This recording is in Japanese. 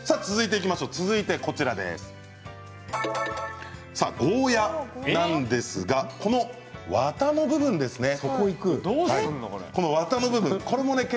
続いてゴーヤーなんですがこのわたの部分ですね。